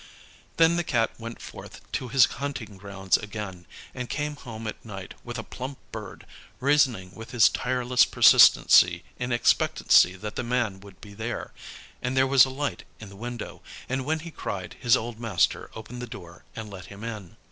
Then the Cat went forth to his hunting grounds again, and came home at night with a plump bird, reasoning with his tireless persistency in expectancy that the man would be there; and there was a light in the window, and when he cried his old master opened the door and let him in.